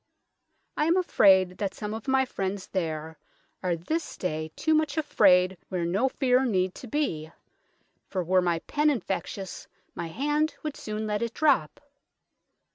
I am afrayd that some of my friends there are this day too much afrayd where no feare need to bee, for were my penn infectious my hand would soone let it drop.